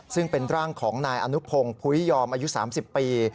ซึ่งเป็นร่างของนายอนุพงศ์พุยยอมอายุ๓๐ปี